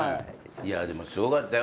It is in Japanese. いやでもすごかったよ。